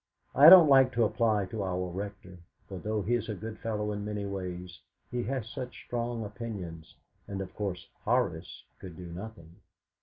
I don't like to apply to our Rector, for though he is a good fellow in many ways, he has such strong opinions; and, of course, Horace could do nothing.